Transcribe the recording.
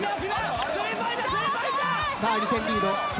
２点リード笑